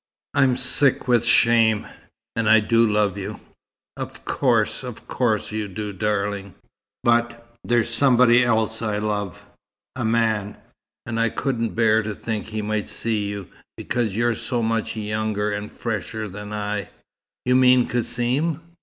I'm sick with shame. And I do love you!" "Of course of course you do, darling." "But there's somebody else I love. A man. And I couldn't bear to think he might see you, because you're so much younger and fresher than I." "You mean Cassim?"